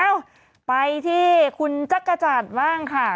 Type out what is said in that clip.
เอ้าไปที่คุณจักรจันทร์บ้างค่ะ